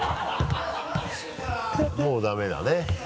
もうダメだね。